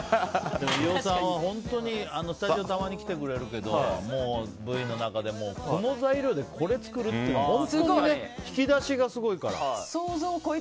でも飯尾さんは本当にスタジオたまに来てくれるけどＶの中でもこの材料の中でこれ作るって本当に引き出しがすごいから。